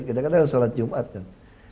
kita kenal salat jumat kan